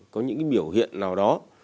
có những cái biểu hiện nào đó